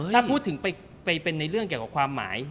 ถ้าพูดถึงไปเป็นในเรื่องเกี่ยวกับความหมาย